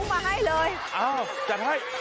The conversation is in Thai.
เอ้าจัดให้